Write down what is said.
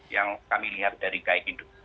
yang kami lihat dari gai kindu